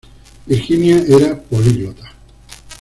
Virginia era políglota.